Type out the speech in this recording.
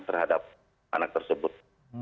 terhadap anak tersebut